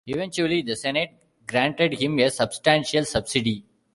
Eventually, the Senate granted him a substantial subsidy.